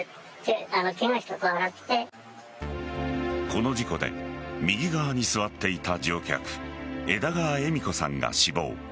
この事故で右側に座っていた乗客・枝川恵美子さんが死亡。